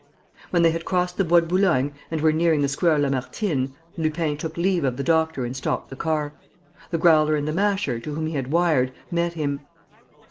When they had crossed the Bois de Boulogne and were nearing the Square Lamartine, Lupin took leave of the doctor and stopped the car. The Growler and the Masher, to whom he had wired, met him.